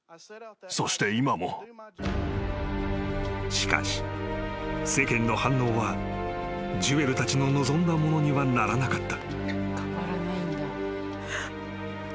［しかし世間の反応はジュエルたちの望んだものにはならなかった］